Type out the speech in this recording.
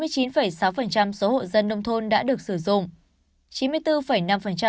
chín mươi chín sáu số hộ dân nông thôn đã được sử dụng